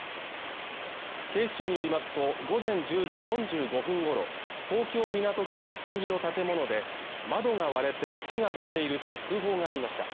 警視庁によりますと午前１０時４５分ごろ東京港区六本木の建物で窓が割れて火が出ていると通報がありました